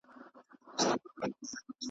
له وهلو له ښکنځلو دواړو خلاص وو .